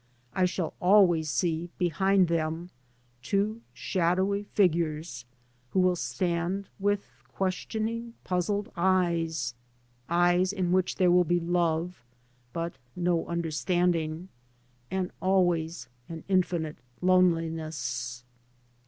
I shall always see, be hind them, two shadowy figures who will stand with questioning, puzzled eyes, eyes in which there will be love, but no understand ing, and always an infinite loneliness.